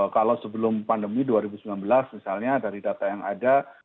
kalau sebelum pandemi dua ribu sembilan belas misalnya dari data yang ada